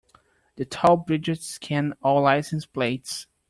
The toll bridges scan all license plates.